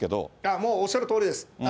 もうおっしゃるとおりです。